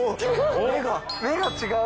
目が違う。